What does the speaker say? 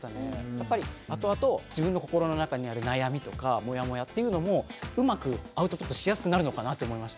やっぱりあとあと自分の心の中にある悩みとかモヤモヤっていうのもうまくアウトプットしやすくなるのかなって思いました。